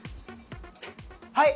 はい！